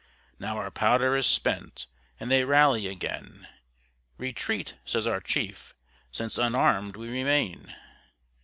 Now our powder is spent, and they rally again; "Retreat!" says our chief, "since unarmed we remain!"